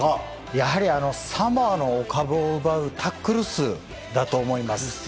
やはり、サモアのお株を奪うタックル数だと思います。